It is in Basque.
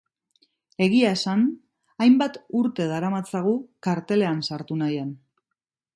Egia esan, hainbat urte daramatzagu kartelean sartu nahian.